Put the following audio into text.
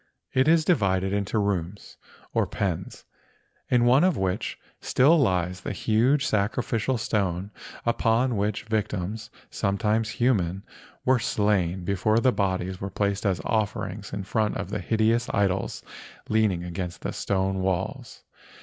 It is di¬ vided into rooms or pens, in one of which still lies the huge sacrificial stone upon which victims —sometimes human—were slain before the bodies were placed as offerings in front of the hideous idols leaning against the stone walls.